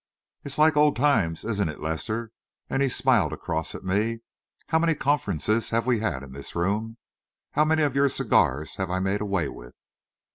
"It's like old times, isn't it, Lester?" and he smiled across at me. "How many conferences have we had in this room? How many of your cigars have I made away with?"